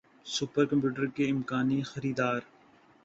super computer کے امکانی خریدار